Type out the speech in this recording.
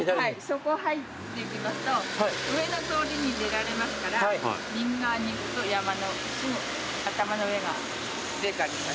そこ入っていきますと上の通りに出られますから右側に行くと山のすぐ頭の上がベーカリーさんです。